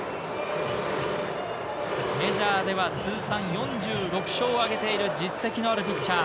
メジャーでは通算４６勝を挙げている実績のあるピッチャー。